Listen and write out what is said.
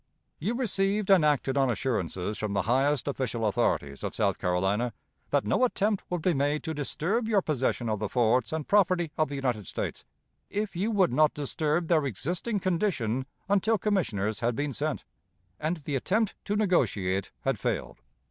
You received and acted on assurances from the highest official authorities of South Carolina, that no attempt would be made to disturb your possession of the forts and property of the United States, if you would not disturb their existing condition until commissioners had been sent, and the attempt to negotiate had failed.